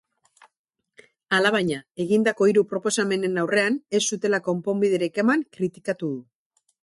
Alabaina, egindako hiru proposamenen aurrean ez zutela konponbiderik eman kritikatu du.